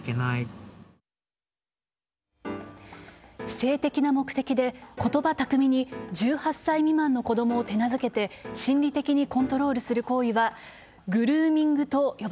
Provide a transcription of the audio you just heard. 性的な目的でことば巧みに１８歳未満の子どもを手なずけて心理的にコントロールする行為はグルーミングと呼ばれています。